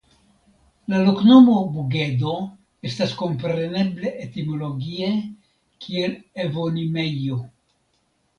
La loknomo "Bugedo" estas komprenebla etimologie kiel Evonimejo.